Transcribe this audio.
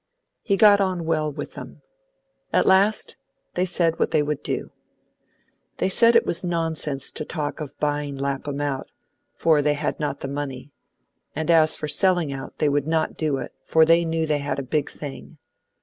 He got on well with them. At last, they said what they would do. They said it was nonsense to talk of buying Lapham out, for they had not the money; and as for selling out, they would not do it, for they knew they had a big thing.